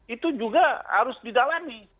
itu juga harus didalami